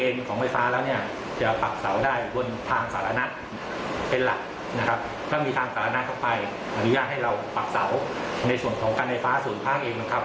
อยากให้เราปักเสาในส่วนของการไฟฟ้าศูนย์ภาคเองนะครับ